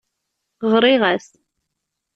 Ɣriɣ-as.